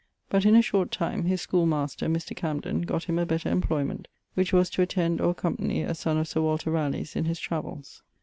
But in a short time, his scole maister, Mr. Camden, got him a better imployment, which was to atend or accompany a son of Sir Walter Rauleyes in his travills.